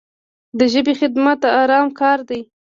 د ژبې خدمت ارام کار دی.